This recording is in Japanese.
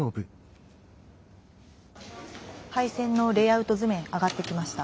配線のレイアウト図面上がってきました。